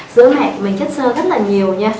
sữa mẹ mình chất xơ rất là nhiều nha